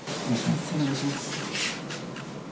お願いします。